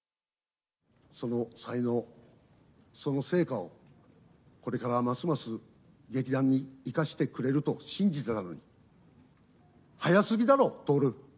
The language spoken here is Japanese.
その才能、その成果をこれからますます劇団に生かしてくれると信じてたのに、早すぎだろ、徹。